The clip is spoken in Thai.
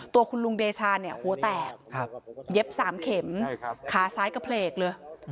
ตัวคุณลุงเดชาเนี่ยหัวแตกเย็บ๓เข็มขาซ้ายกระเพลกเลย